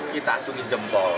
kita aturin jempol